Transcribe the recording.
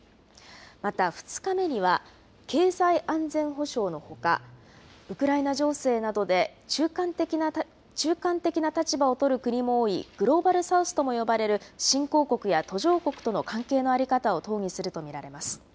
また、２日目には経済安全保障のほか、ウクライナ情勢などで中間的な立場を取る国も多いグローバル・サウスとも呼ばれる新興国や途上国との関係の在り方を討議すると見られます。